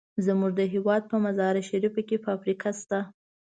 زمونږ د هېواد په مزار شریف کې فابریکه شته.